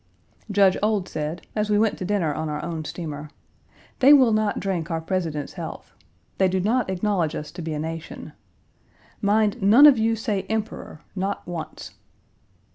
Judge Ould said, as we went to dinner on our own steamer, "They will not drink our President's health. They do not acknowledge us to be a nation. Mind, none of you say 'Emperor,' not once."